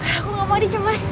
aku gak mau adi cuman